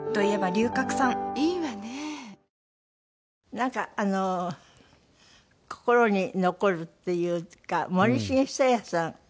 なんかあの心に残るっていうか森繁久彌さん。